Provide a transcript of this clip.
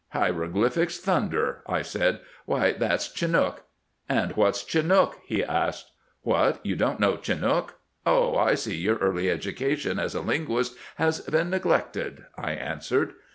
'Hieroglyphics— thunder !' I said; 'why that 's Chinook.' 'And what 's Chinook?' he asked. ' What ! you don't know Chinook ? Oh, I see your early education as a linguist has been neglected,' I answered.